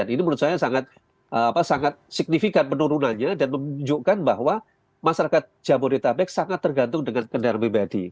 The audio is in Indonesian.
ini menurut saya sangat signifikan penurunannya dan menunjukkan bahwa masyarakat jabodetabek sangat tergantung dengan kendaraan pribadi